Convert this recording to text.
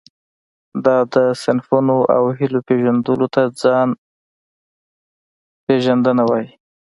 دا د ضعفونو او هیلو پېژندلو ته ځان پېژندنه وایي.